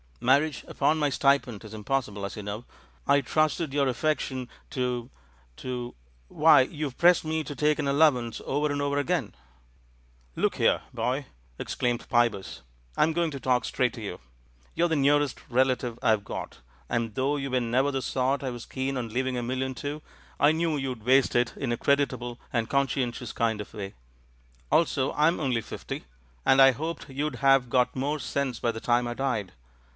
Marriage upon my stipend is impossible, as you know. I trusted to your affection to — to — Why, you've pressed me to take an allowance over and over again 1" "Look here, boy," exclaimed Pybus, "I'm go ing to talk straight to you! You're the nearest relative I've got, and though you were never the sort I was keen on leaving a million to, I knew 266 THE MAN WHO UNDERSTOOD WOMEN you'd waste it in a creditable and conscientious kind of way. Also I'm only fifty, and I hoped you'd have got more sense by the time I died.